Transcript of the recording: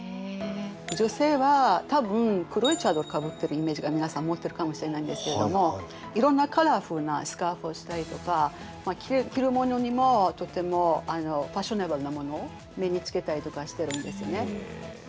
女性は多分黒いチャドルかぶってるイメージが皆さん持ってるかもしれないんですけれどもいろんなカラフルなスカーフをしたりとか着るものにもとてもファッショナブルなものを身につけたりとかしてるんですよね。